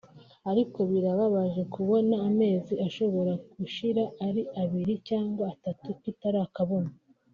ariko birababaje kubona amezi ashobora gushira ari abiri cyangwa atatu tutarakabona